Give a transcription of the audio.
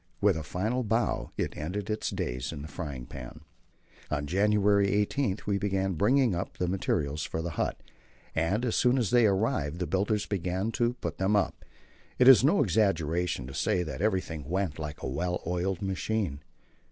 With a final bow it ended its days in the frying pan. On January 18 we began bringing up the materials for the hut, and as soon as they arrived the builders began to put them up. It is no exaggeration to say that everything went like a well oiled machine.